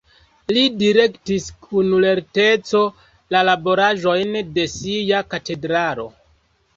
Li direktis kun lerteco la laboraĵojn de sia katedralo.